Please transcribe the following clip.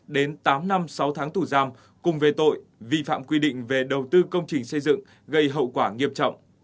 đến tám năm sáu tháng tù giam cùng về tội vi phạm quy định về đầu tư công trình xây dựng gây hậu quả nghiêm trọng